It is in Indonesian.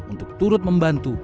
untuk turut membantu